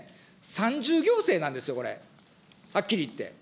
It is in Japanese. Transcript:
三重行政なんですよ、これ、はっきり言って。